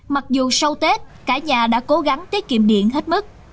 mặc dù sau tết cả nhà đã cố gắng tiết kiệm điện hết mức